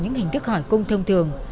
những hình thức hỏi cung thông thường